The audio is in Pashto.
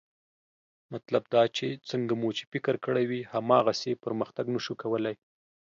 مطلب دا چې څنګه مو چې فکر کړی وي، هماغسې پرمختګ نه شو کولی